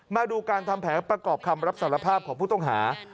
มาดูการทำแผนประกอบคำรับสารภาพของผู้ต้องหา